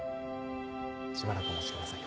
しばらくお待ちください。